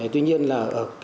tuy nhiên là